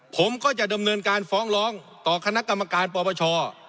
ผมก็จะดำเนินการฟ้องร้องต่อคณะกรรมการปปช